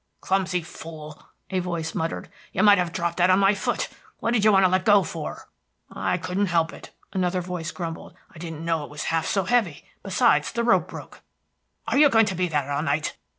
"Clumsy fool," a voice muttered. "You might have dropped that on my foot. What did you want to let go for?" "I couldn't help it," another voice grumbled. "I didn't know it was half so heavy. Besides, the rope broke." "Oh, are you going to be there all night?"